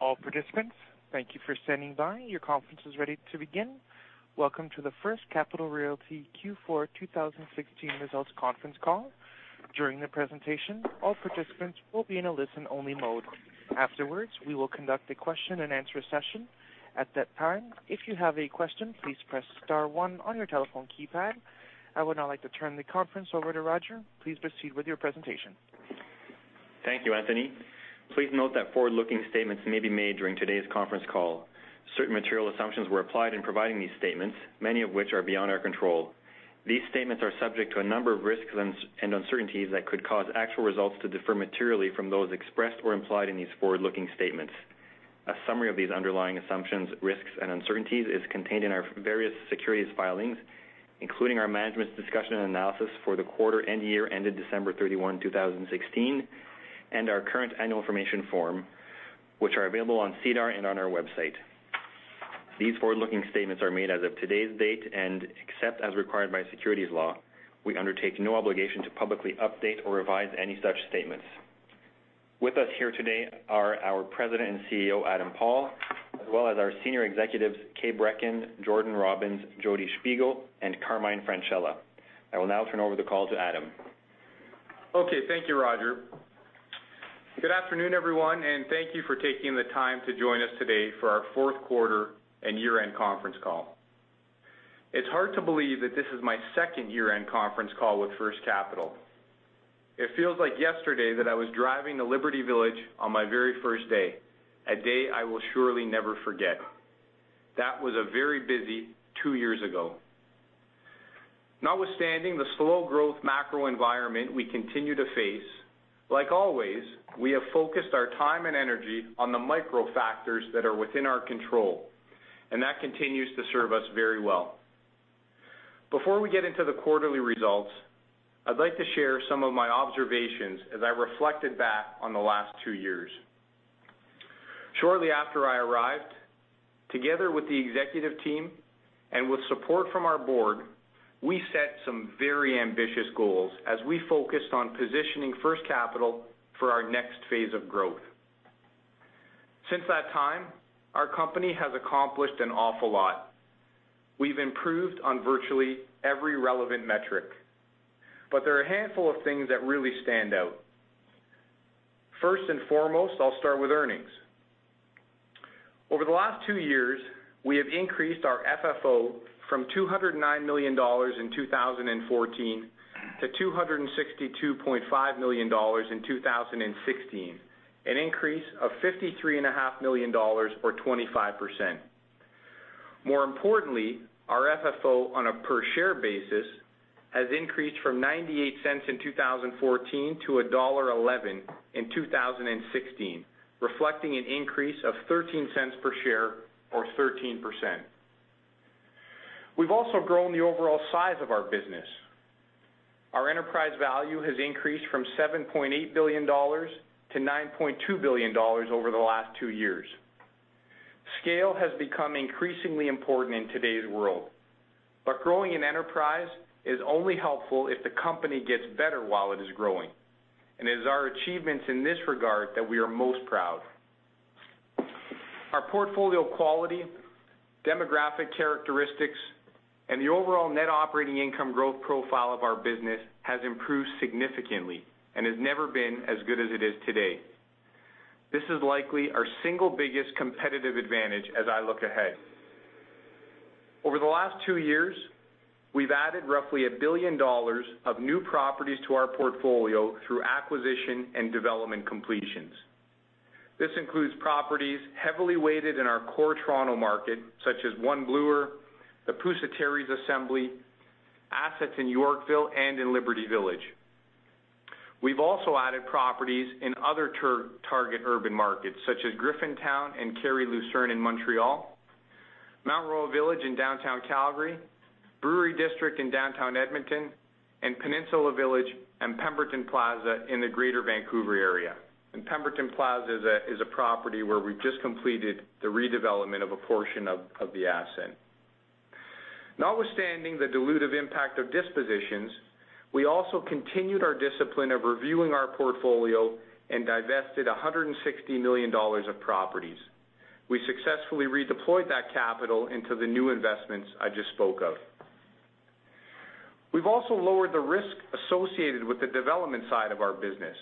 All participants, thank you for standing by. Your conference is ready to begin. Welcome to the First Capital Realty Q4 2016 Results Conference Call. During the presentation, all participants will be in a listen-only mode. Afterwards, we will conduct a question and answer session. At that time, if you have a question, please press star one on your telephone keypad. I would now like to turn the conference over to Roger. Please proceed with your presentation. Thank you, Anthony. Please note that forward-looking statements may be made during today's conference call. Certain material assumptions were applied in providing these statements, many of which are beyond our control. These statements are subject to a number of risks and uncertainties that could cause actual results to differ materially from those expressed or implied in these forward-looking statements. A summary of these underlying assumptions, risks, and uncertainties is contained in our various securities filings, including our management's discussion and analysis for the quarter and year ended December 31, 2016, and our current annual information form, which are available on SEDAR and on our website. These forward-looking statements are made as of today's date, except as required by securities law, we undertake no obligation to publicly update or revise any such statements. With us here today are our President and CEO, Adam Paul, as well as our senior executives, Kay Brekken, Jordan Robins, Jodi Shpigel, and Carmine Francella. I will now turn over the call to Adam. Okay. Thank you, Roger. Good afternoon, everyone, thank you for taking the time to join us today for our fourth quarter and year-end conference call. It's hard to believe that this is my second year-end conference call with First Capital. It feels like yesterday that I was driving to Liberty Village on my very first day, a day I will surely never forget. That was a very busy two years ago. Notwithstanding the slow growth macro environment we continue to face, like always, we have focused our time and energy on the micro factors that are within our control, that continues to serve us very well. Before we get into the quarterly results, I'd like to share some of my observations as I reflected back on the last two years. Shortly after I arrived, together with the executive team and with support from our board, we set some very ambitious goals as we focused on positioning First Capital for our next phase of growth. Since that time, our company has accomplished an awful lot. We've improved on virtually every relevant metric, but there are a handful of things that really stand out. First and foremost, I'll start with earnings. Over the last two years, we have increased our FFO from 209 million dollars in 2014 to 262.5 million dollars in 2016, an increase of 53.5 million dollars, or 25%. More importantly, our FFO on a per share basis has increased from 0.98 in 2014 to dollar 1.11 in 2016, reflecting an increase of 0.13 per share or 13%. We've also grown the overall size of our business. Our enterprise value has increased from 7.8 billion dollars to 9.2 billion dollars over the last two years. Scale has become increasingly important in today's world, growing an enterprise is only helpful if the company gets better while it is growing, and it is our achievements in this regard that we are most proud. Our portfolio quality, demographic characteristics, and the overall net operating income growth profile of our business has improved significantly and has never been as good as it is today. This is likely our single biggest competitive advantage as I look ahead. Over the last two years, we've added roughly 1 billion dollars of new properties to our portfolio through acquisition and development completions. This includes properties heavily weighted in our core Toronto market, such as One Bloor, the Pusateri's Assembly, assets in Yorkville, and in Liberty Village. We've also added properties in other target urban markets such as Griffintown and Carré Lucerne in Montreal, Mount Royal Village in downtown Calgary, Brewery District in downtown Edmonton, and Peninsula Village and Pemberton Plaza in the Greater Vancouver area. Pemberton Plaza is a property where we just completed the redevelopment of a portion of the asset. Notwithstanding the dilutive impact of dispositions, we also continued our discipline of reviewing our portfolio and divested 160 million dollars of properties. We successfully redeployed that capital into the new investments I just spoke of. We've also lowered the risk associated with the development side of our business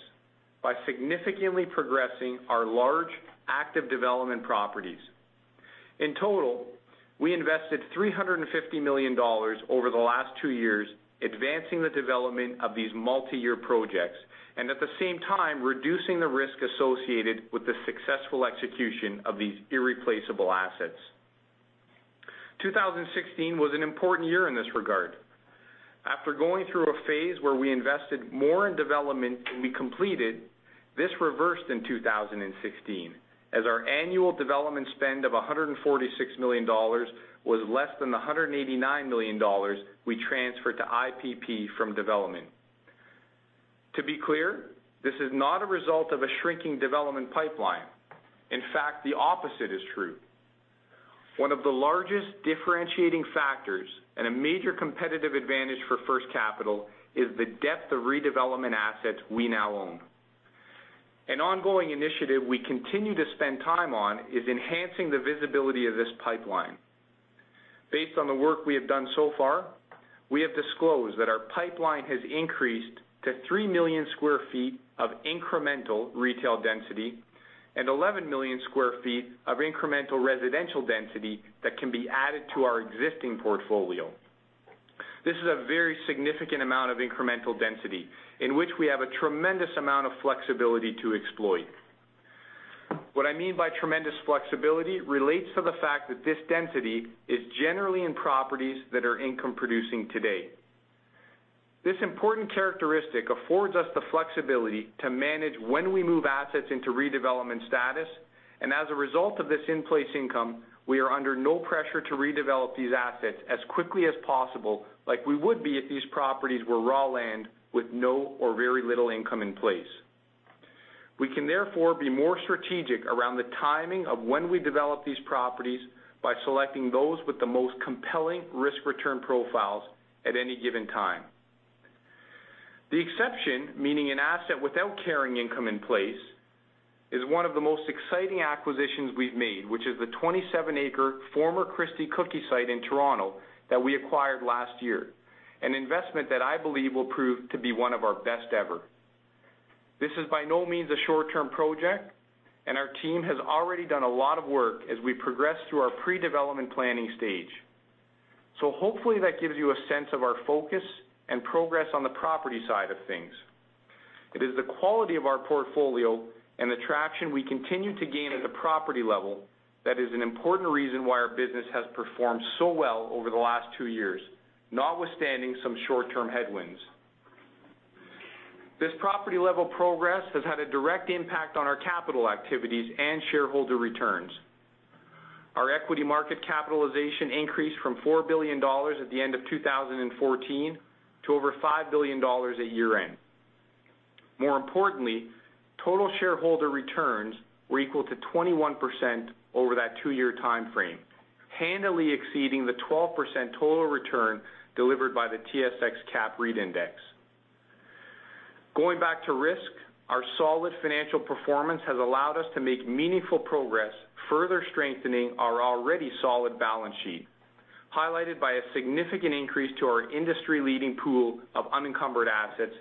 by significantly progressing our large active development properties. In total, we invested 350 million dollars over the last two years, advancing the development of these multi-year projects and, at the same time, reducing the risk associated with the successful execution of these irreplaceable assets. 2016 was an important year in this regard. After going through a phase where we invested more in development than we completed, this reversed in 2016 as our annual development spend of 146 million dollars was less than the 189 million dollars we transferred to IPP from development. To be clear, this is not a result of a shrinking development pipeline. In fact, the opposite is true. One of the largest differentiating factors and a major competitive advantage for First Capital is the depth of redevelopment assets we now own. An ongoing initiative we continue to spend time on is enhancing the visibility of this pipeline. Based on the work we have done so far, we have disclosed that our pipeline has increased to 3 million sq ft of incremental retail density and 11 million sq ft of incremental residential density that can be added to our existing portfolio. This is a very significant amount of incremental density in which we have a tremendous amount of flexibility to exploit. What I mean by tremendous flexibility relates to the fact that this density is generally in properties that are income-producing today. This important characteristic affords us the flexibility to manage when we move assets into redevelopment status. As a result of this in-place income, we are under no pressure to redevelop these assets as quickly as possible like we would be if these properties were raw land with no or very little income in place. We can therefore be more strategic around the timing of when we develop these properties by selecting those with the most compelling risk-return profiles at any given time. The exception, meaning an asset without carrying income in place, is one of the most exciting acquisitions we've made, which is the 27-acre former Christie Cookie site in Toronto that we acquired last year, an investment that I believe will prove to be one of our best ever. This is by no means a short-term project, and our team has already done a lot of work as we progress through our pre-development planning stage. Hopefully, that gives you a sense of our focus and progress on the property side of things. It is the quality of our portfolio and the traction we continue to gain at the property level that is an important reason why our business has performed so well over the last two years, notwithstanding some short-term headwinds. This property-level progress has had a direct impact on our capital activities and shareholder returns. Our equity market capitalization increased from 4 billion dollars at the end of 2014 to over 5 billion dollars at year-end. More importantly, total shareholder returns were equal to 21% over that two-year timeframe, handily exceeding the 12% total return delivered by the TSX Capped REIT Index. Going back to risk, our solid financial performance has allowed us to make meaningful progress, further strengthening our already solid balance sheet, highlighted by a significant increase to our industry-leading pool of unencumbered assets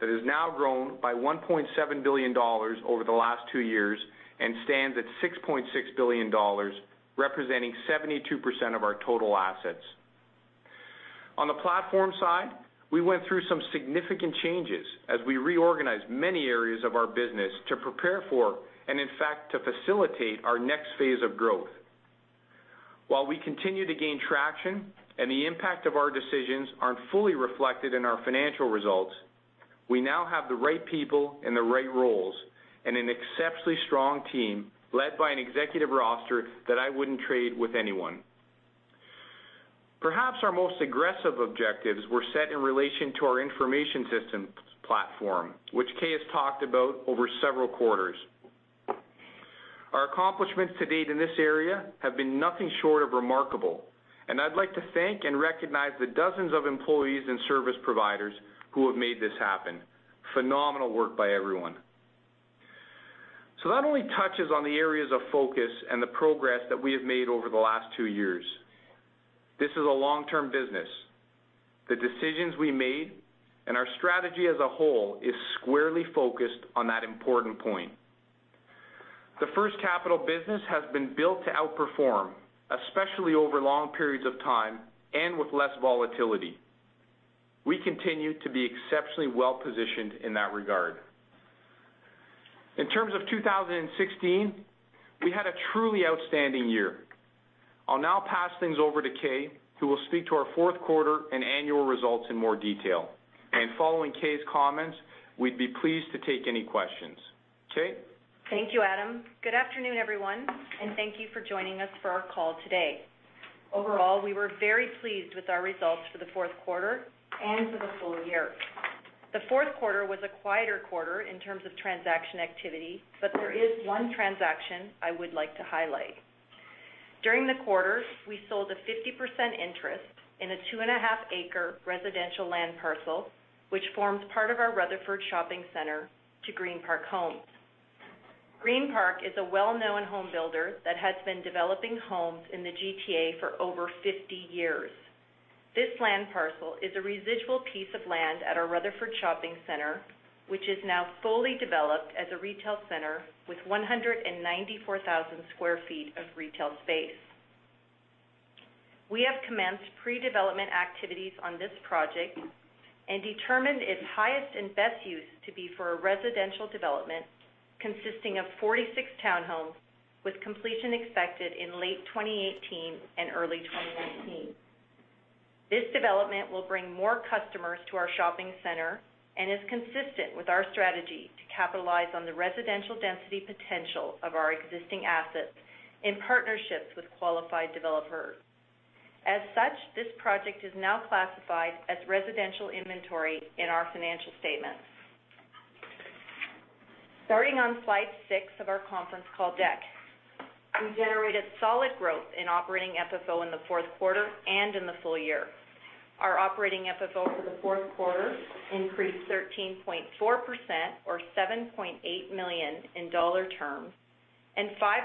that has now grown by 1.7 billion dollars over the last two years and stands at 6.6 billion dollars, representing 72% of our total assets. On the platform side, we went through some significant changes as we reorganized many areas of our business to prepare for, and in fact, to facilitate our next phase of growth. While we continue to gain traction and the impact of our decisions aren't fully reflected in our financial results, we now have the right people in the right roles and an exceptionally strong team led by an executive roster that I wouldn't trade with anyone. Perhaps our most aggressive objectives were set in relation to our information system platform, which Kay has talked about over several quarters. Our accomplishments to date in this area have been nothing short of remarkable, and I'd like to thank and recognize the dozens of employees and service providers who have made this happen. Phenomenal work by everyone. That only touches on the areas of focus and the progress that we have made over the last two years. This is a long-term business. The decisions we made and our strategy as a whole is squarely focused on that important point. The First Capital business has been built to outperform, especially over long periods of time and with less volatility. We continue to be exceptionally well-positioned in that regard. In terms of 2016, we had a truly outstanding year. I'll now pass things over to Kay, who will speak to our fourth quarter and annual results in more detail. Following Kay's comments, we'd be pleased to take any questions. Kay? Thank you, Adam. Good afternoon, everyone, and thank you for joining us for our call today. Overall, we were very pleased with our results for the fourth quarter and for the full year. The fourth quarter was a quieter quarter in terms of transaction activity, but there is one transaction I would like to highlight. During the quarter, we sold a 50% interest in a two-and-a-half-acre residential land parcel, which forms part of our Rutherford Shopping Centre, to Greenpark Homes. Greenpark is a well-known home builder that has been developing homes in the GTA for over 50 years. This land parcel is a residual piece of land at our Rutherford Shopping Centre, which is now fully developed as a retail center with 194,000 sq ft of retail space. We have commenced pre-development activities on this project and determined its highest and best use to be for a residential development consisting of 46 townhomes, with completion expected in late 2018 and early 2019. This development will bring more customers to our shopping center and is consistent with our strategy to capitalize on the residential density potential of our existing assets in partnerships with qualified developers. As such, this project is now classified as residential inventory in our financial statements. Starting on slide six of our conference call deck. We generated solid growth in Operating FFO in the fourth quarter and in the full year. Our Operating FFO for the fourth quarter increased 13.4%, or 7.8 million in dollar terms, and 5%,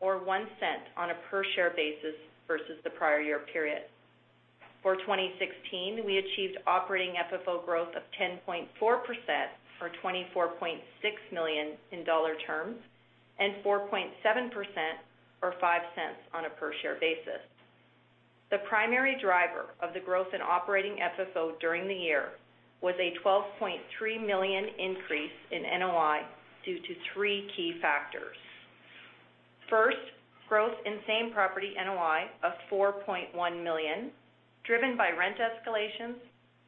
or 0.01 on a per share basis versus the prior year period. For 2016, we achieved Operating FFO growth of 10.4%, or 24.6 million in dollar terms, and 4.7%, or 0.05 on a per share basis. The primary driver of the growth in Operating FFO during the year was a 12.3 million increase in NOI due to three key factors. First, growth in same property NOI of 4.1 million, driven by rent escalations,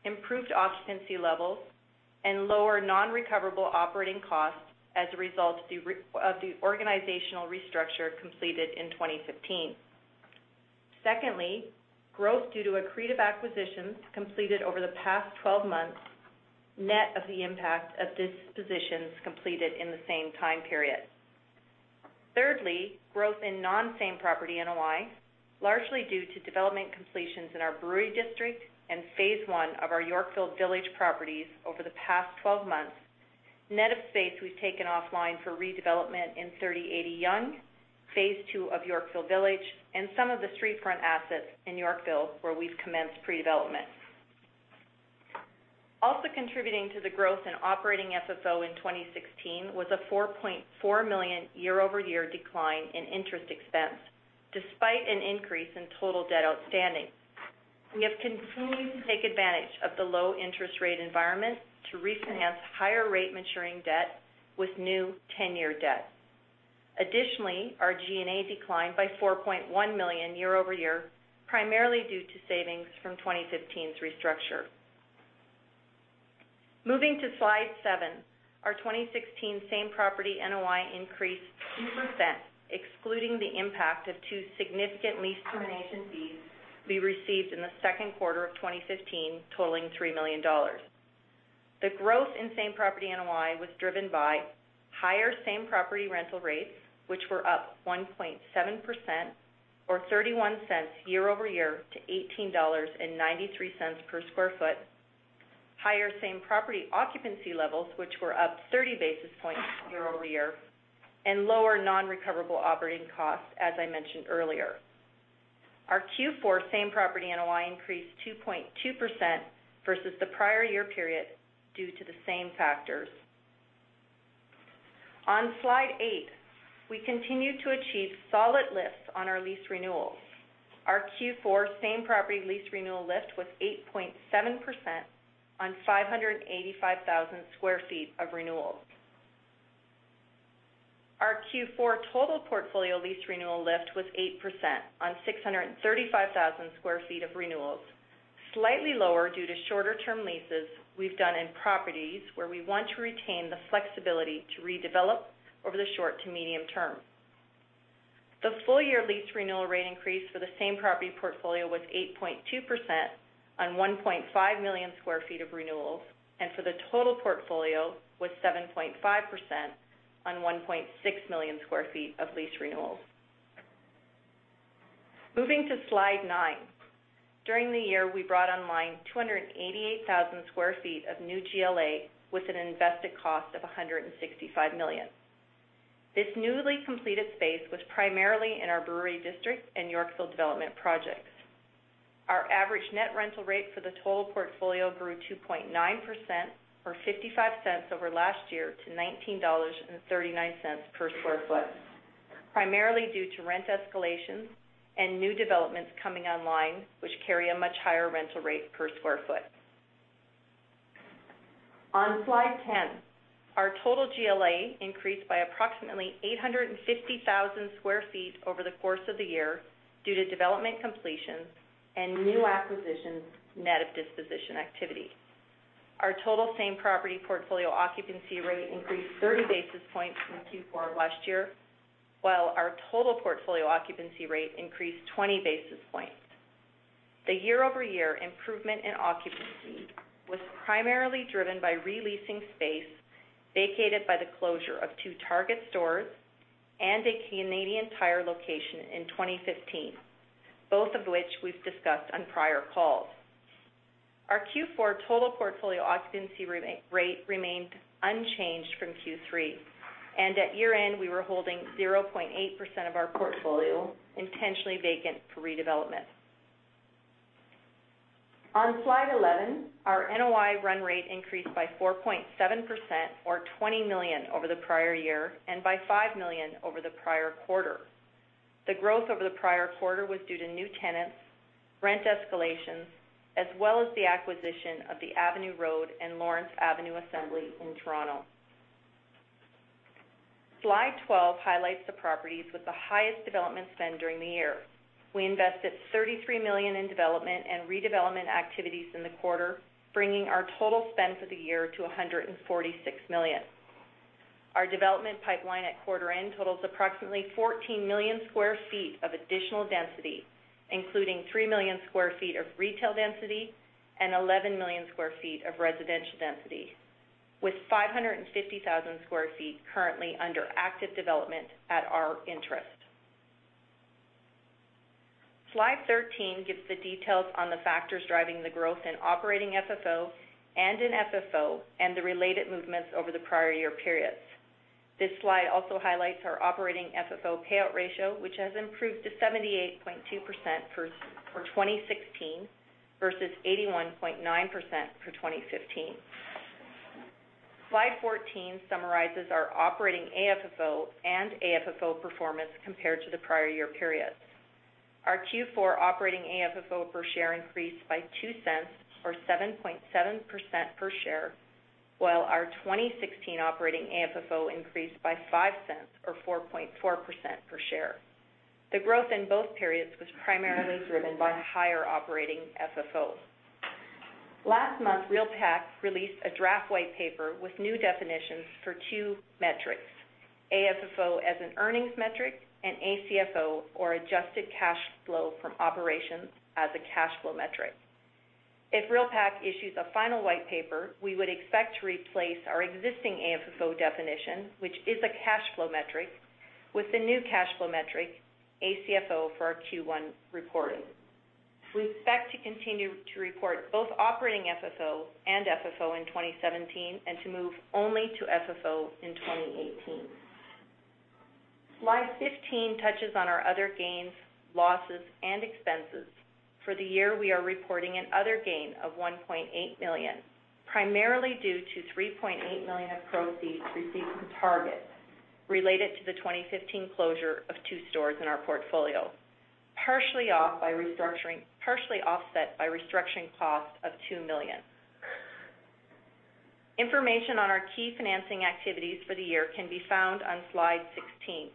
improved occupancy levels, and lower non-recoverable operating costs as a result of the organizational restructure completed in 2015. Secondly, growth due to accretive acquisitions completed over the past 12 months, net of the impact of dispositions completed in the same time period. Thirdly, growth in non-same property NOI, largely due to development completions in our Brewery District and phase one of our Yorkville Village properties over the past 12 months, net of space we've taken offline for redevelopment in 3080 Yonge, phase two of Yorkville Village, and some of the street front assets in Yorkville where we've commenced pre-development. Also contributing to the growth in Operating FFO in 2016 was a 4.4 million year-over-year decline in interest expense, despite an increase in total debt outstanding. We have continued to take advantage of the low interest rate environment to refinance higher rate maturing debt with new 10-year debt. Additionally, our G&A declined by 4.1 million year-over-year, primarily due to savings from 2015's restructure. Moving to slide seven, our 2016 same property NOI increased 2%, excluding the impact of two significant lease termination fees we received in the second quarter of 2015, totaling 3 million dollars. The growth in same property NOI was driven by higher same property rental rates, which were up 1.7%, or 0.31 year-over-year to 18.93 dollars per square foot. Higher same property occupancy levels, which were up 30 basis points year-over-year, and lower non-recoverable operating costs, as I mentioned earlier. Our Q4 same property NOI increased 2.2% versus the prior year period due to the same factors. On slide eight, we continued to achieve solid lifts on our lease renewals. Our Q4 same property lease renewal lift was 8.7% on 585,000 square feet of renewals. Our Q4 total portfolio lease renewal lift was 8% on 635,000 square feet of renewals, slightly lower due to shorter term leases we've done in properties where we want to retain the flexibility to redevelop over the short to medium term. The full year lease renewal rate increase for the same property portfolio was 8.2% on 1.5 million square feet of renewals, and for the total portfolio was 7.5% on 1.6 million square feet of lease renewals. Moving to slide nine. During the year, we brought online 288,000 square feet of new GLA with an invested cost of 165 million. This newly completed space was primarily in our Brewery District and Yorkville development projects. Our average net rental rate for the total portfolio grew 2.9%, or 0.55 over last year to 19.39 dollars per square foot, primarily due to rent escalations and new developments coming online, which carry a much higher rental rate per square foot. On slide 10, our total GLA increased by approximately 850,000 square feet over the course of the year due to development completions and new acquisitions, net of disposition activity. Our total same property portfolio occupancy rate increased 30 basis points from Q4 of last year, while our total portfolio occupancy rate increased 20 basis points. The year-over-year improvement in occupancy was primarily driven by re-leasing space vacated by the closure of two Target stores and a Canadian Tire location in 2015, both of which we've discussed on prior calls. Our Q4 total portfolio occupancy rate remained unchanged from Q3. At year-end, we were holding 0.8% of our portfolio intentionally vacant for redevelopment. On slide 11, our NOI run rate increased by 4.7%, or 20 million over the prior year, and by 5 million over the prior quarter. The growth over the prior quarter was due to new tenants, rent escalations, as well as the acquisition of the Avenue Road and Lawrence Avenue assembly in Toronto. Slide 12 highlights the properties with the highest development spend during the year. We invested 33 million in development and redevelopment activities in the quarter, bringing our total spend for the year to 146 million. Our development pipeline at quarter end totals approximately 14 million square feet of additional density, including 3 million square feet of retail density and 11 million square feet of residential density, with 550,000 square feet currently under active development at our interest. Slide 13 gives the details on the factors driving the growth in operating FFO and in FFO, and the related movements over the prior year periods. This slide also highlights our operating FFO payout ratio, which has improved to 78.2% for 2016 versus 81.9% for 2015. Slide 14 summarizes our operating AFFO and AFFO performance compared to the prior year periods. Our Q4 operating AFFO per share increased by 0.02, or 7.7% per share, while our 2016 operating AFFO increased by 0.05, or 4.4% per share. The growth in both periods was primarily driven by higher operating FFO. Last month, REALPAC released a draft white paper with new definitions for 2 metrics, AFFO as an earnings metric, and ACFO, or adjusted cash flow from operations, as a cash flow metric. If REALPAC issues a final white paper, we would expect to replace our existing AFFO definition, which is a cash flow metric, with the new cash flow metric, ACFO, for our Q1 reporting. We expect to continue to report both operating FFO and AFFO in 2017, and to move only to FFO in 2018. Slide 15 touches on our other gains, losses, and expenses. For the year, we are reporting an other gain of 1.8 million, primarily due to 3.8 million of proceeds received from Target related to the 2015 closure of 2 stores in our portfolio, partially offset by restructuring costs of 2 million. Information on our key financing activities for the year can be found on slide 16.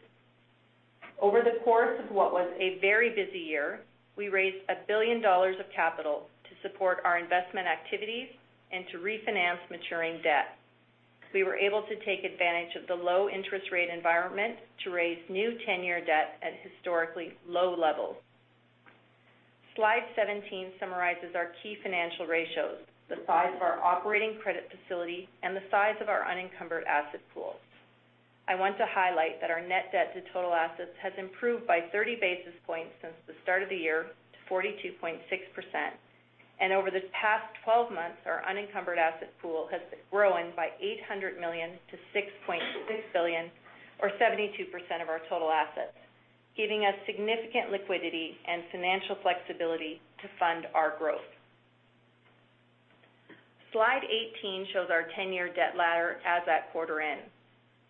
Over the course of what was a very busy year, we raised 1 billion dollars of capital to support our investment activities and to refinance maturing debt. We were able to take advantage of the low interest rate environment to raise new 10-year debt at historically low levels. Slide 17 summarizes our key financial ratios, the size of our operating credit facility, and the size of our unencumbered asset pool. I want to highlight that our net debt to total assets has improved by 30 basis points since the start of the year to 42.6%, and over this past 12 months, our unencumbered asset pool has grown by 800 million to 6.6 billion, or 72% of our total assets, giving us significant liquidity and financial flexibility to fund our growth. Slide 18 shows our 10-year debt ladder as at quarter end.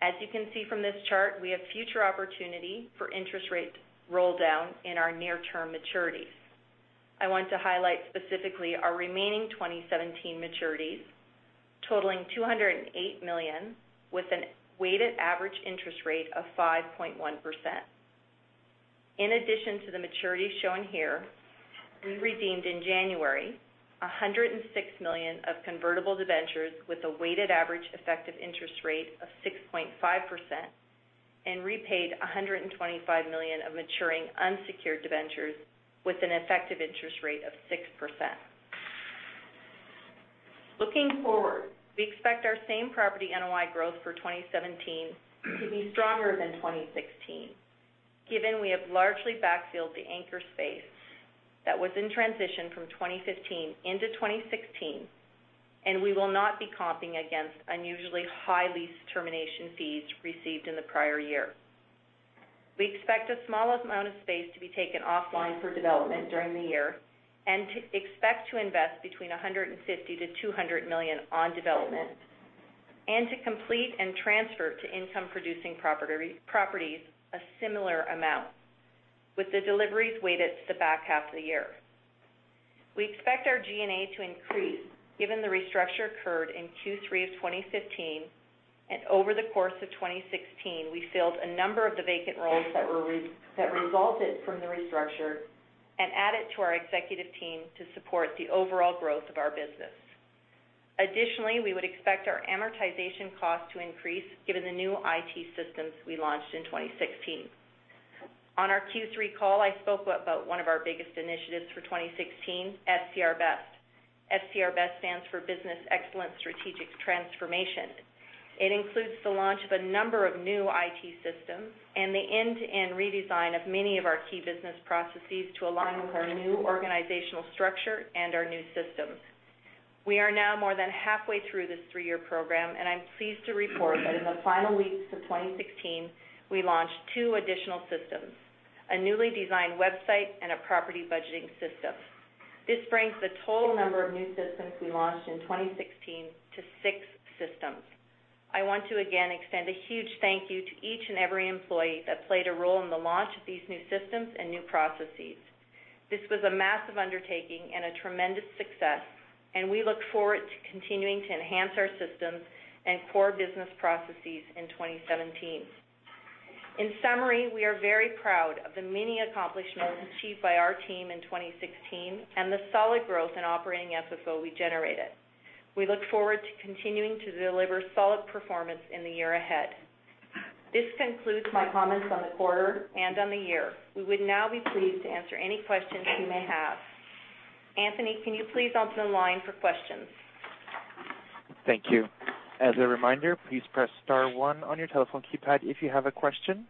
As you can see from this chart, we have future opportunity for interest rate roll down in our near-term maturities. I want to highlight specifically our remaining 2017 maturities totaling 208 million, with an weighted average interest rate of 5.1%. In addition to the maturities shown here, we redeemed in January 106 million of convertible debentures with a weighted average effective interest rate of 6.5%, and repaid 125 million of maturing unsecured debentures with an effective interest rate of 6%. Looking forward, we expect our same property NOI growth for 2017 to be stronger than 2016, given we have largely backfilled the anchor space that was in transition from 2015 into 2016, and we will not be comping against unusually high lease termination fees received in the prior year. We expect a small amount of space to be taken offline for development during the year, and expect to invest between 150 million to 200 million on development, and to complete and transfer to income-producing properties a similar amount, with the deliveries weighted to the back half of the year. We expect our G&A to increase given the restructure occurred in Q3 of 2015, and over the course of 2016, we filled a number of the vacant roles that resulted from the restructure and added to our executive team to support the overall growth of our business. Additionally, we would expect our amortization cost to increase given the new IT systems we launched in 2016. On our Q3 call, I spoke about one of our biggest initiatives for 2016, FCR Best. FCR Best stands for Business Excellence Strategic Transformation. It includes the launch of a number of new IT systems and the end-to-end redesign of many of our key business processes to align with our new organizational structure and our new systems. I'm pleased to report that in the final weeks of 2016, we launched two additional systems, a newly designed website and a property budgeting system. This brings the total number of new systems we launched in 2016 to six systems. I want to again extend a huge thank you to each and every employee that played a role in the launch of these new systems and new processes. This was a massive undertaking and a tremendous success. We look forward to continuing to enhance our systems and core business processes in 2017. In summary, we are very proud of the many accomplishments achieved by our team in 2016 and the solid growth in Operating FFO we generated. We look forward to continuing to deliver solid performance in the year ahead. This concludes my comments on the quarter and on the year. We would now be pleased to answer any questions you may have. Anthony, can you please open the line for questions? Thank you. As a reminder, please press star one on your telephone keypad if you have a question.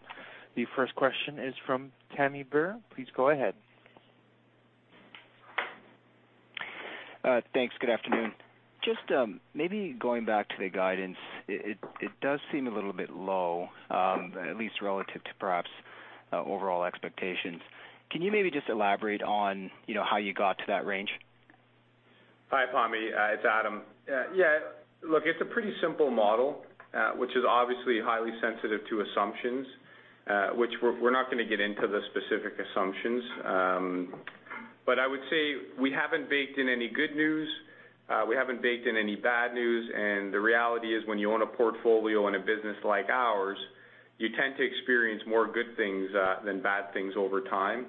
The first question is from Tammy Burr. Please go ahead. Thanks. Good afternoon. Maybe going back to the guidance, it does seem a little bit low, at least relative to perhaps overall expectations. Can you maybe just elaborate on how you got to that range? Hi, Tammy. It's Adam. Yeah. Look, it's a pretty simple model, which is obviously highly sensitive to assumptions, which we're not going to get into the specific assumptions. I would say we haven't baked in any good news. We haven't baked in any bad news. The reality is, when you own a portfolio in a business like ours, you tend to experience more good things than bad things over time.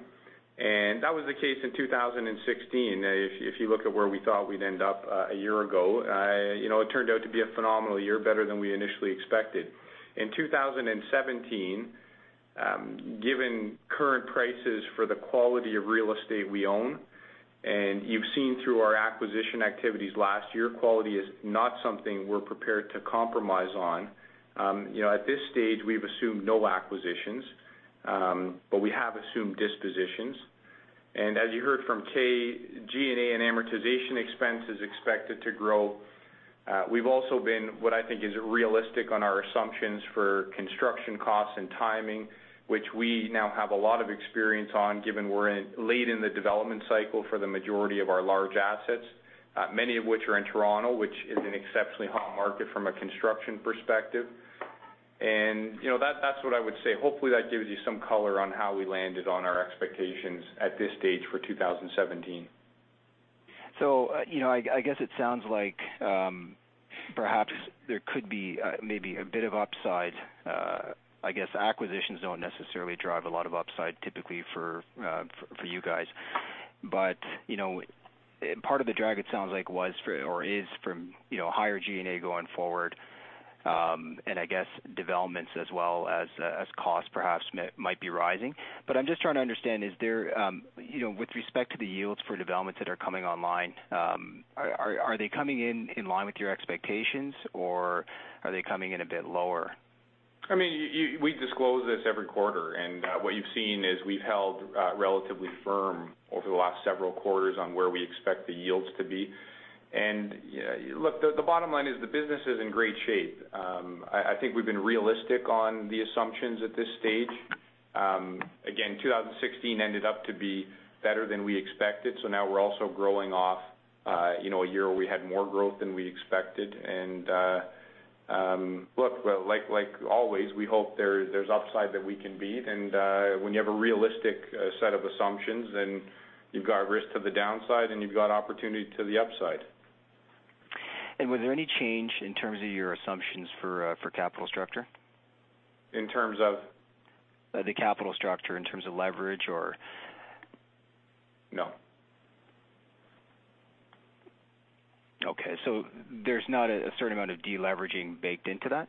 That was the case in 2016. If you look at where we thought we'd end up a year ago, it turned out to be a phenomenal year, better than we initially expected. In 2017, given current prices for the quality of real estate we own, and you've seen through our acquisition activities last year, quality is not something we're prepared to compromise on. At this stage, we've assumed no acquisitions. We have assumed dispositions. As you heard from Kay, G&A and amortization expense is expected to grow. We've also been, what I think is realistic on our assumptions for construction costs and timing, which we now have a lot of experience on, given we're late in the development cycle for the majority of our large assets, many of which are in Toronto, which is an exceptionally hot market from a construction perspective. That's what I would say. Hopefully, that gives you some color on how we landed on our expectations at this stage for 2017. I guess it sounds like perhaps there could be maybe a bit of upside. I guess acquisitions don't necessarily drive a lot of upside typically for you guys. Part of the drag it sounds like was or is from higher G&A going forward, and I guess developments as well as costs perhaps might be rising. I'm just trying to understand, with respect to the yields for developments that are coming online, are they coming in in line with your expectations, or are they coming in a bit lower? We disclose this every quarter, what you've seen is we've held relatively firm over the last several quarters on where we expect the yields to be. Look, the bottom line is the business is in great shape. I think we've been realistic on the assumptions at this stage. Again, 2016 ended up to be better than we expected. Now we're also growing off a year where we had more growth than we expected. Look, like always, we hope there's upside that we can beat. When you have a realistic set of assumptions, you've got risk to the downside, and you've got opportunity to the upside. Was there any change in terms of your assumptions for capital structure? In terms of? The capital structure, in terms of leverage or No. Okay. There's not a certain amount of deleveraging baked into that?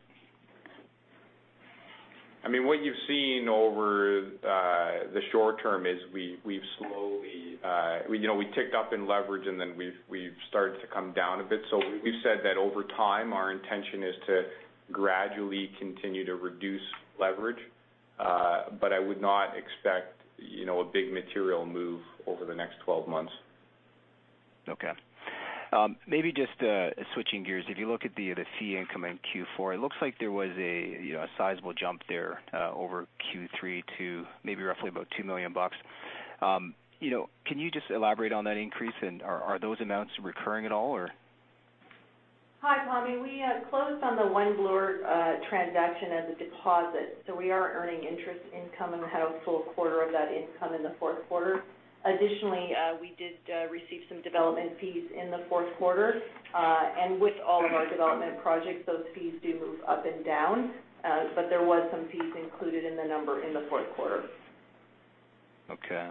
What you've seen over the short term is we've slowly, we ticked up in leverage, and then we've started to come down a bit. We've said that over time, our intention is to gradually continue to reduce leverage. I would not expect a big material move over the next 12 months. Okay. Maybe just switching gears. If you look at the fee income in Q4, it looks like there was a sizable jump there over Q3 to maybe roughly about 2 million bucks. Can you just elaborate on that increase? Are those amounts recurring at all, or? Hi, Tommy. We closed on the One Bloor transaction as a deposit, so we are earning interest income and have a full quarter of that income in the fourth quarter. Additionally, we did receive some development fees in the fourth quarter. With all of our development projects, those fees do move up and down. There was some fees included in the number in the fourth quarter. Okay.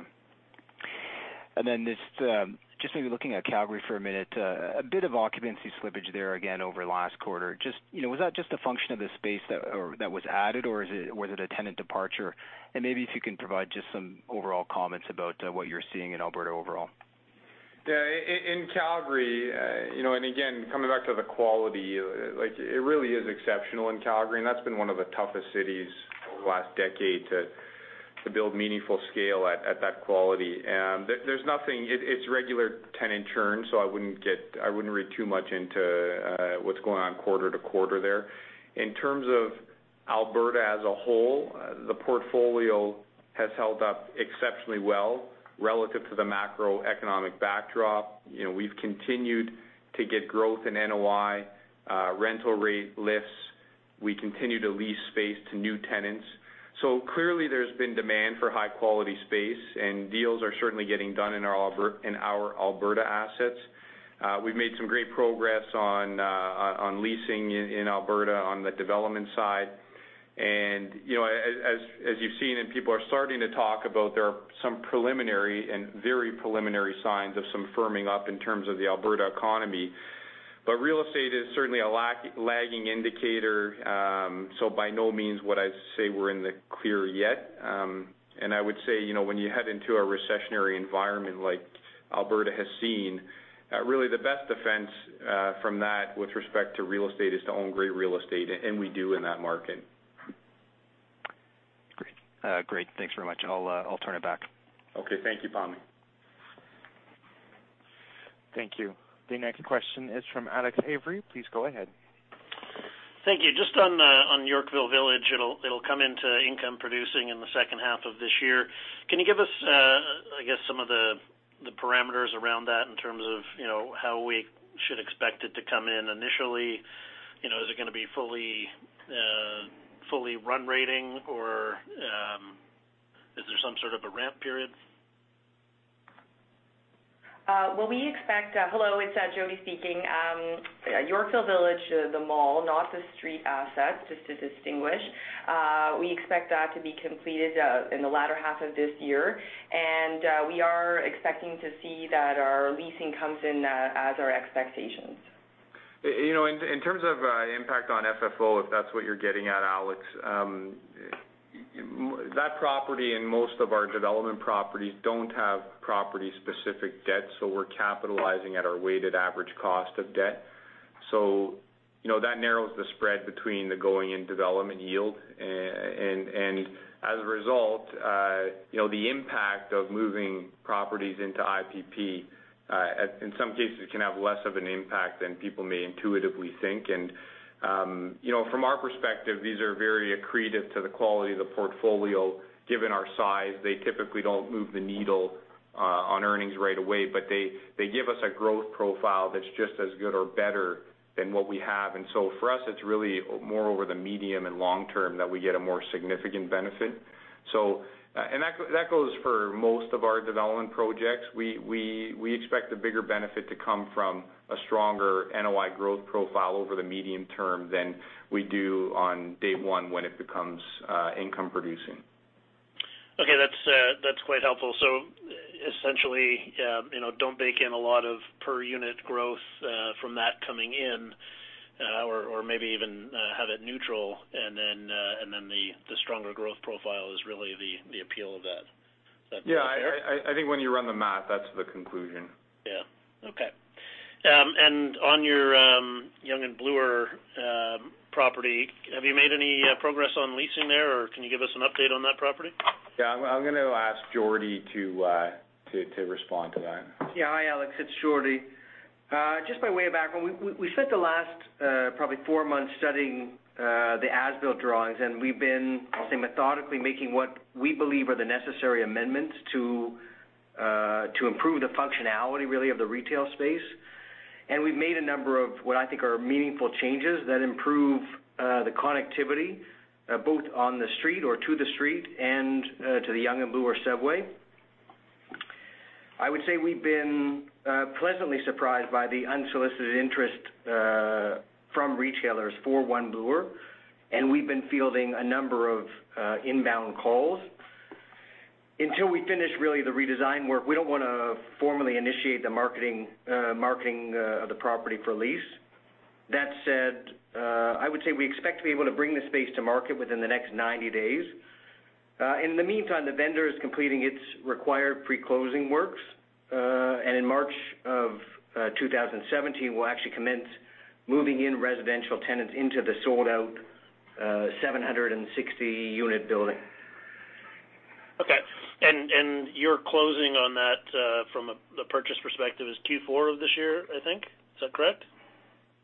Just maybe looking at Calgary for a minute, a bit of occupancy slippage there again over last quarter. Was that just a function of the space that was added, or was it a tenant departure? Maybe if you can provide just some overall comments about what you're seeing in Alberta overall. In Calgary, again, coming back to the quality, it really is exceptional in Calgary, and that's been one of the toughest cities over the last decade to build meaningful scale at that quality. It's regular tenant churn, so I wouldn't read too much into what's going on quarter to quarter there. In terms of Alberta as a whole, the portfolio has held up exceptionally well relative to the macroeconomic backdrop. We've continued to get growth in NOI, rental rate lifts. We continue to lease space to new tenants. Clearly, there's been demand for high-quality space, and deals are certainly getting done in our Alberta assets. We've made some great progress on leasing in Alberta on the development side. As you've seen, and people are starting to talk about, there are some preliminary and very preliminary signs of some firming up in terms of the Alberta economy. Real estate is certainly a lagging indicator, so by no means would I say we're in the clear yet. I would say, when you head into a recessionary environment like Alberta has seen, really, the best defense from that with respect to real estate is to own great real estate, and we do in that market. Great. Thanks very much. I'll turn it back. Okay. Thank you, Tammy. Thank you. The next question is from Alex Avery. Please go ahead. Thank you. Just on Yorkville Village, it'll come into income producing in the second half of this year. Can you give us, I guess, some of the parameters around that in terms of how we should expect it to come in initially? Is it going to be fully run rating, or is there some sort of a ramp period? Hello, it's Jodi speaking. Yorkville Village, the mall, not the street asset, just to distinguish. We expect that to be completed in the latter half of this year. We are expecting to see that our leasing comes in as our expectations. In terms of impact on FFO, if that's what you're getting at, Alex, that property and most of our development properties don't have property-specific debt. We're capitalizing at our weighted average cost of debt. That narrows the spread between the going and development yield. As a result, the impact of moving properties into IPP, in some cases, can have less of an impact than people may intuitively think. From our perspective, these are very accretive to the quality of the portfolio. Given our size, they typically don't move the needle on earnings right away, but they give us a growth profile that's just as good or better than what we have. For us, it's really more over the medium and long-term that we get a more significant benefit. That goes for most of our development projects. We expect a bigger benefit to come from a stronger NOI growth profile over the medium term than we do on day one when it becomes income-producing. Okay. That's quite helpful. Essentially, don't bake in a lot of per-unit growth from that coming in, or maybe even have it neutral. The stronger growth profile is really the appeal of that. Does that sound fair? Yeah. I think when you run the math, that's the conclusion. Okay. On your Yonge and Bloor property, have you made any progress on leasing there, or can you give us an update on that property? Yeah. I'm gonna ask Jordi to respond to that. Yeah. Hi, Alex. It's Jordi. Just by way of background, we spent the last, probably four months studying the as-built drawings, and we've been, I'll say, methodically making what we believe are the necessary amendments to improve the functionality, really, of the retail space. We've made a number of, what I think are meaningful changes that improve the connectivity, both on the street or to the street, and to the Yonge and Bloor subway. I would say we've been pleasantly surprised by the unsolicited interest from retailers for One Bloor, and we've been fielding a number of inbound calls. Until we finish, really, the redesign work, we don't want to formally initiate the marketing of the property for lease. That said, I would say we expect to be able to bring the space to market within the next 90 days. In the meantime, the vendor is completing its required pre-closing works. In March of 2017, we'll actually commence moving in residential tenants into the sold-out 760-unit building. Okay. Your closing on that, from a purchase perspective, is Q4 of this year, I think. Is that correct?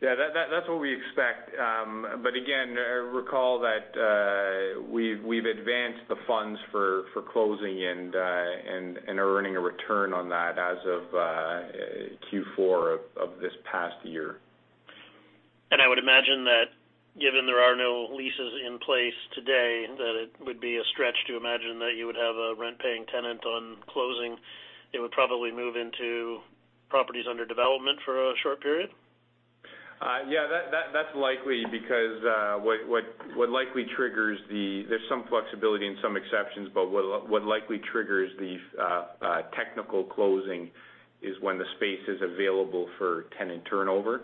Yeah, that's what we expect. Again, recall that we've advanced the funds for closing and are earning a return on that as of Q4 of this past year. I would imagine that, given there are no leases in place today, that it would be a stretch to imagine that you would have a rent-paying tenant on closing. It would probably move into properties under development for a short period? that's likely, because there's some flexibility and some exceptions, but what likely triggers the technical closing is when the space is available for tenant turnover.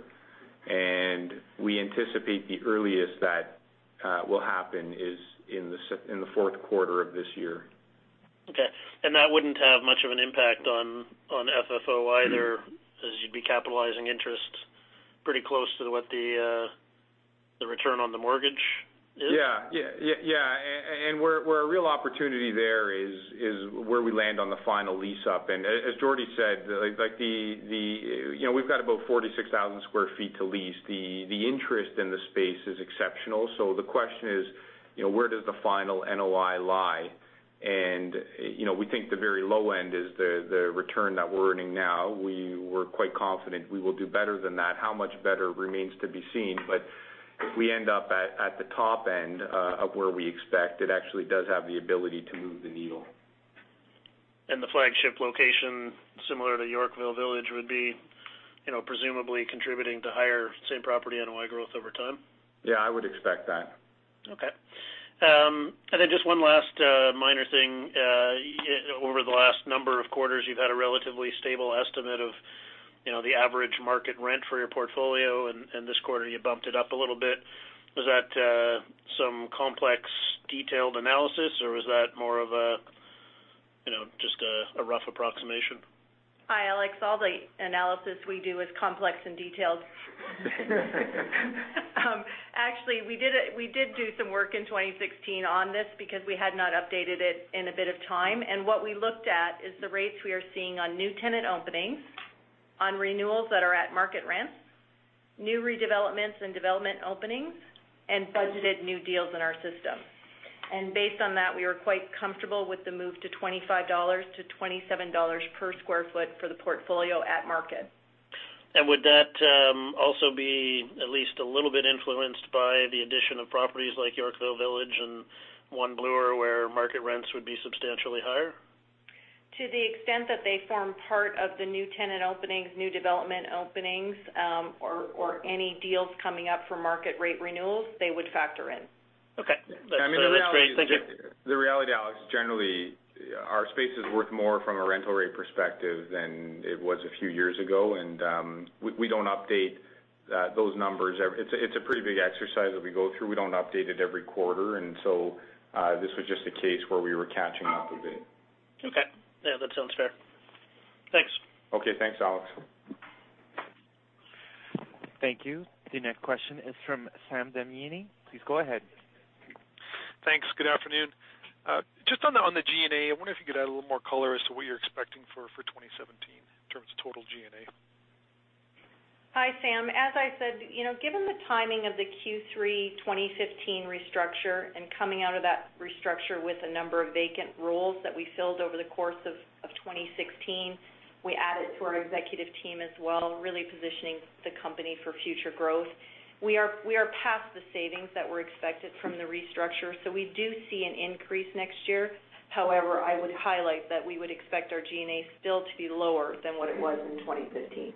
We anticipate the earliest that will happen is in the fourth quarter of this year. Okay. That wouldn't have much of an impact on FFO either, as you'd be capitalizing interest pretty close to what the return on the mortgage is? Yeah. Where a real opportunity there is where we land on the final lease-up. As Jordi said, we've got about 46,000 sq ft to lease. The interest in the space is exceptional. The question is, where does the final NOI lie? We think the very low end is the return that we're earning now. We're quite confident we will do better than that. How much better remains to be seen, but if we end up at the top end of where we expect, it actually does have the ability to move the needle. The flagship location, similar to Yorkville Village, would be presumably contributing to higher same-property NOI growth over time? Yeah, I would expect that. Okay. Then just one last question, you've had a relatively stable estimate of the average market rent for your portfolio, and this quarter you bumped it up a little bit. Was that some complex detailed analysis, or was that more of just a rough approximation? Hi, Alex. All the analysis we do is complex and detailed. Actually, we did do some work in 2016 on this because we had not updated it in a bit of time. What we looked at is the rates we are seeing on new tenant openings, on renewals that are at market rents, new redevelopments and development openings, and budgeted new deals in our system. Based on that, we were quite comfortable with the move to 25-27 dollars per square foot for the portfolio at market. Would that also be at least a little bit influenced by the addition of properties like Yorkville Village and One Bloor, where market rents would be substantially higher? To the extent that they form part of the new tenant openings, new development openings, or any deals coming up for market rate renewals, they would factor in. Okay. That's great. Thank you. The reality, Alex, generally, our space is worth more from a rental rate perspective than it was a few years ago. We don't update those numbers. It's a pretty big exercise that we go through. We don't update it every quarter. This was just a case where we were catching up with it. Okay. Yeah, that sounds fair. Thanks. Okay, thanks, Alex. Thank you. The next question is from Sam Damiani. Please go ahead. Thanks. Good afternoon. Just on the G&A, I wonder if you could add a little more color as to what you're expecting for 2017 in terms of total G&A. Hi, Sam. As I said, given the timing of the Q3 2015 restructure and coming out of that restructure with a number of vacant roles that we filled over the course of 2016. We added to our executive team as well, really positioning the company for future growth. We are past the savings that were expected from the restructure, we do see an increase next year. I would highlight that we would expect our G&A still to be lower than what it was in 2015.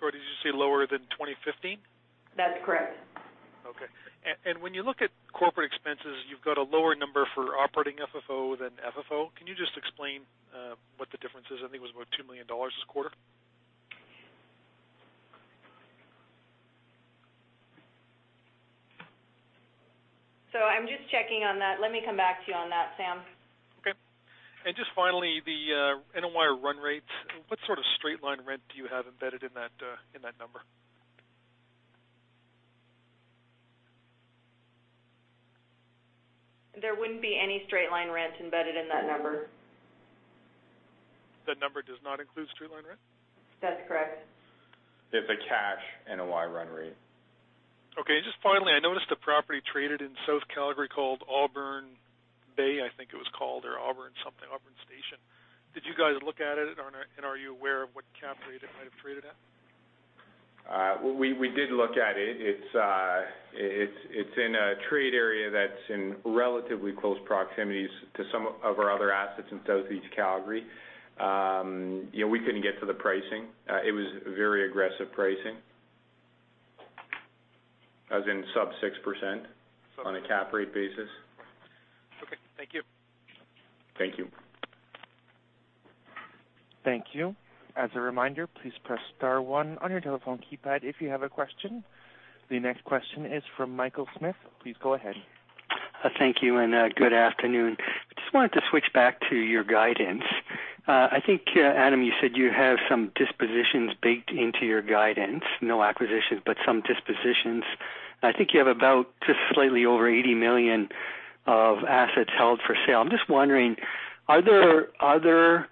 Sorry, did you say lower than 2015? That's correct. Okay. When you look at corporate expenses, you've got a lower number for Operating FFO than FFO. Can you just explain what the difference is? I think it was about 2 million dollars this quarter. I'm just checking on that. Let me come back to you on that, Sam. Okay. Just finally, the NOI run rates, what sort of straight line rent do you have embedded in that number? There wouldn't be any straight line rent embedded in that number. That number does not include straight line rent? That's correct. It's a cash NOI run rate. Okay. Just finally, I noticed a property traded in South Calgary called Auburn Bay, I think it was called, or Auburn something, Auburn Station. Did you guys look at it, and are you aware of what cap rate it might have traded at? We did look at it. It's in a trade area that's in relatively close proximity to some of our other assets in Southeast Calgary. We couldn't get to the pricing. It was very aggressive pricing, as in sub 6% on a cap rate basis. Okay. Thank you. Thank you. Thank you. As a reminder, please press star one on your telephone keypad if you have a question. The next question is from Michael Smith. Please go ahead. Thank you, and good afternoon. Just wanted to switch back to your guidance. I think, Adam, you said you have some dispositions baked into your guidance, no acquisitions, but some dispositions. I think you have about just slightly over 80 million of assets held for sale. I'm just wondering, are there other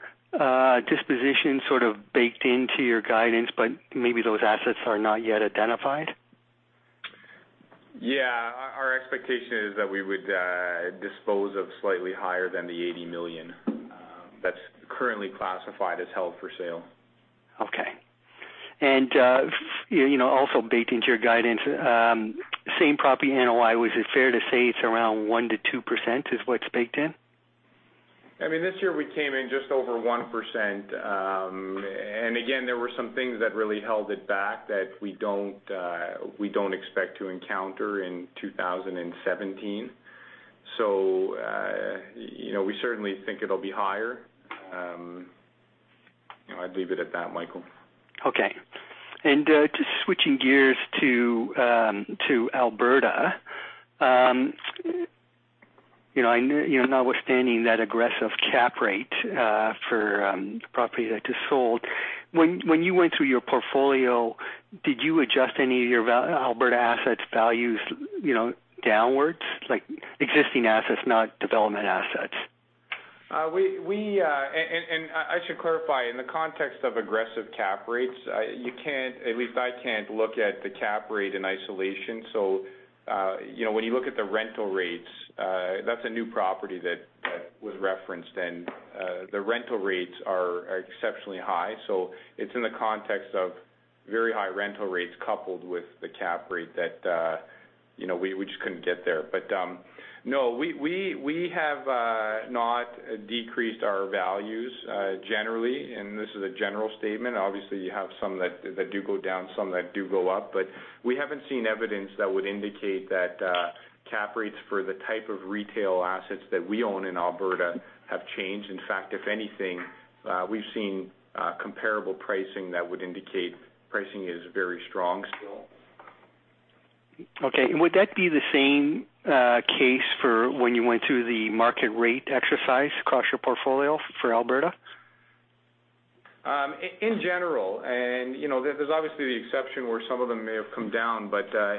dispositions sort of baked into your guidance, but maybe those assets are not yet identified? Yeah. Our expectation is that we would dispose of slightly higher than the 80 million that's currently classified as held for sale. Okay. Also baked into your guidance, same property NOI, was it fair to say it's around 1%-2% is what's baked in? This year we came in just over 1%, again, there were some things that really held it back that we don't expect to encounter in 2017. We certainly think it'll be higher. I'd leave it at that, Michael. Okay. Just switching gears to Alberta. Notwithstanding that aggressive cap rate for the property that just sold. When you went through your portfolio, did you adjust any of your Alberta assets values downwards? Like existing assets, not development assets. I should clarify, in the context of aggressive cap rates, you can't, at least I can't, look at the cap rate in isolation. When you look at the rental rates, that's a new property that was referenced, and the rental rates are exceptionally high. It's in the context of very high rental rates coupled with the cap rate. We just couldn't get there. No, we have not decreased our values generally, and this is a general statement. Obviously, you have some that do go down, some that do go up. We haven't seen evidence that would indicate that cap rates for the type of retail assets that we own in Alberta have changed. In fact, if anything, we've seen comparable pricing that would indicate pricing is very strong still. Okay. Would that be the same case for when you went to the market rate exercise across your portfolio for Alberta? In general, there's obviously the exception where some of them may have come down.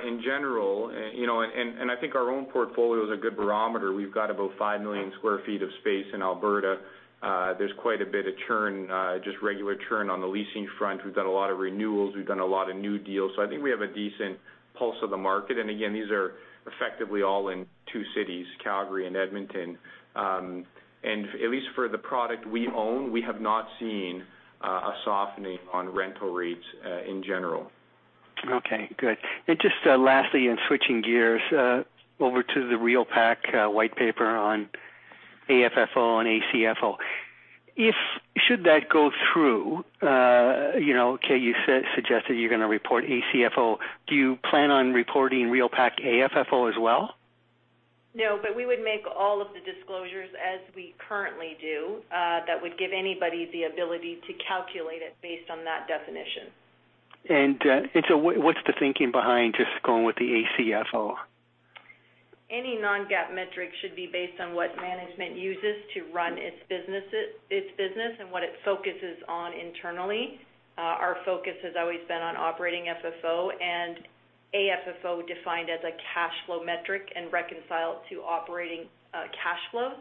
In general, I think our own portfolio is a good barometer. We've got about 5 million sq ft of space in Alberta. There's quite a bit of churn, just regular churn on the leasing front. We've done a lot of renewals. We've done a lot of new deals. I think we have a decent pulse of the market. Again, these are effectively all in two cities, Calgary and Edmonton. At least for the product we own, we have not seen a softening on rental rates in general. Okay, good. Just lastly, switching gears over to the REALPAC white paper on AFFO and ACFO. Should that go through, okay, you suggested you're going to report ACFO, do you plan on reporting REALPAC AFFO as well? No, we would make all of the disclosures as we currently do. That would give anybody the ability to calculate it based on that definition. What's the thinking behind just going with the ACFO? Any non-GAAP metric should be based on what management uses to run its business and what it focuses on internally. Our focus has always been on Operating FFO and AFFO defined as a cash flow metric and reconciled to operating cash flows.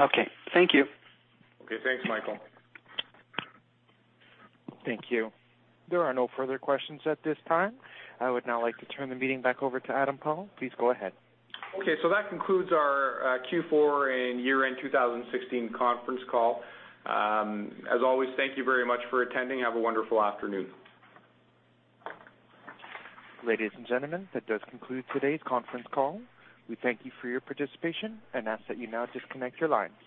Okay. Thank you. Okay. Thanks, Michael. Thank you. There are no further questions at this time. I would now like to turn the meeting back over to Adam Paul. Please go ahead. That concludes our Q4 and year-end 2016 conference call. As always, thank you very much for attending. Have a wonderful afternoon. Ladies and gentlemen, that does conclude today's conference call. We thank you for your participation and ask that you now disconnect your line.